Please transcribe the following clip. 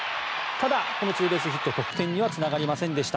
ただ、このツーベースヒット得点にはつながりませんでした。